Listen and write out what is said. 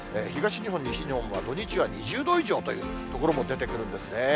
東日本、西日本は土日は２０度以上という所も出てくるんですね。